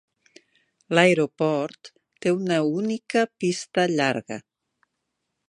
L'aeroport té una única pista llarga.